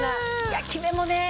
焼き目もね。